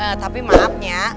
eh tapi maafnya